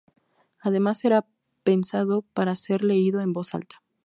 Además será pensado para ser leído en voz alta.